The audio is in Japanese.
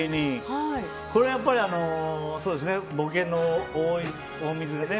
これはやっぱりボケの大水がね。